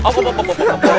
pak klam pak